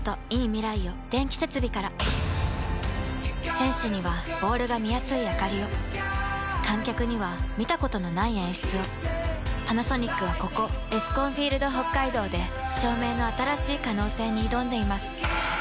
選手にはボールが見やすいあかりを観客には見たことのない演出をパナソニックはここエスコンフィールドＨＯＫＫＡＩＤＯで照明の新しい可能性に挑んでいます